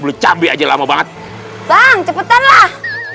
beli cabe aja lama banget bang cepetan lah